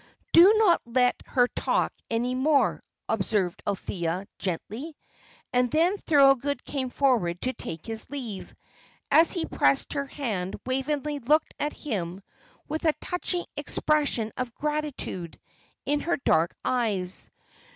"Do not let her talk any more," observed Althea, gently; and then Thorold came forward to take his leave. As he pressed her hand, Waveney looked at him with a touching expression of gratitude in her dark eyes.